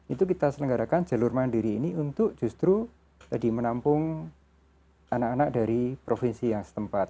itu kita selenggarakan jalur mandiri ini untuk justru tadi menampung anak anak dari provinsi yang setempat